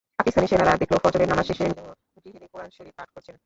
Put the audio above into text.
পাকিস্তানি সেনারা দেখল, ফজরের নামাজ শেষে নিরীহ গৃহিণী কোরআন শরিফ পাঠ করছেন।